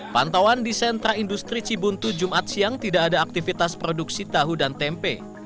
pantauan di sentra industri cibuntu jumat siang tidak ada aktivitas produksi tahu dan tempe